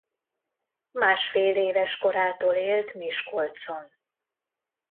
Másfél éves korától élt Miskolcon.